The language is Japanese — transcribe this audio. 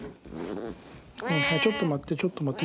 ちょっと待ってちょっと待って。